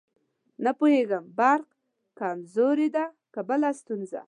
نه پوهېږم برق کمزورې دی که بله ستونزه.